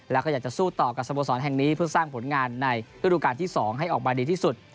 แล้วก็อยากจะสู้ต่อกับสโมสรแห่งนี้เพื่อสร้างผลงานในฤดูการที่๒ให้ออกมาดีที่สุด